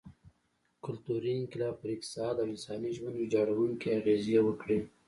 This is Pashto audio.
کلتوري انقلاب پر اقتصاد او انسا ژوند ویجاړوونکې اغېزې وکړې.